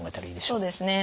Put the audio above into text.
そうですね。